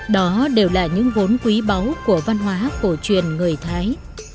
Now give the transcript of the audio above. đó đều là những vốn quý báu của văn hóa cổ truyền người thái